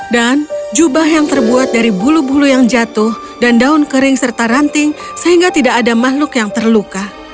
dan jubah yang terbuat dari bulu bulu yang jatuh dan daun kering serta ranting sehingga tidak bisa dihidupkan